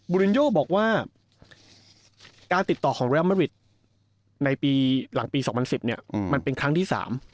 รินโยบอกว่าการติดต่อของเรียลมาริดในปีหลังปี๒๐๑๐เนี่ยมันเป็นครั้งที่๓